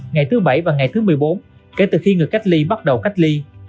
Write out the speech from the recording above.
ngày thứ bảy và ngày thứ một mươi bốn kể từ khi người cách ly bắt đầu cách ly